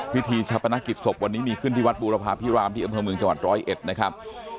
พิธีชาปนกิจศพวันนี้มีขึ้นที่วัดบูรพาพิรามที่อำเภอเมืองจังหวัดร้อยเอ็ดนะครับ